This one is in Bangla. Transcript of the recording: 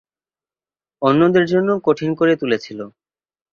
অন্যদের জন্য কঠিন করে তুলেছিল।